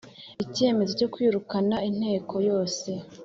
Icyemezo cyo kwirukana inteko yose